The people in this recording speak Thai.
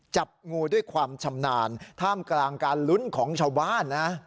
จับงูด้วยความชำนาญท่ามกลางการลุ้นของชาวบ้านนะ